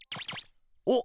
おっ！